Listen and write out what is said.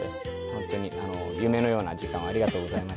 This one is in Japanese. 本当に夢のような時間をありがとうございました。